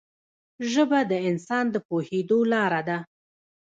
ژبه د انسان د پوهېدو لاره ده